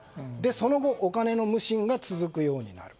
その後、お金の無心が続くようになる。